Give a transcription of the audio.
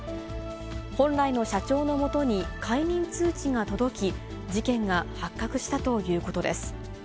本来の社長のもとに解任通知が届き、事件が発覚したということです。